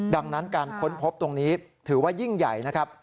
ดังนั้นการค้นพบตรงนี้ถือว่ายิ่งใหญ่นะครับ